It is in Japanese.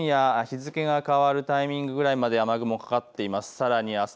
今夜日付が変わるタイミングぐらいまでは雨雲かかっています